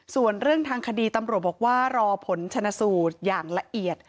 ส่วนเรื่องทางคดีตำรวจบอกว่ารอผลชนะสูตรอย่างละเอียด